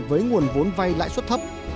với nguồn vốn vay lãi suất thấp